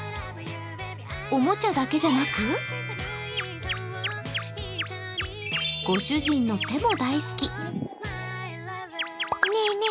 おもちゃだけじゃなくご主人の手も大好き。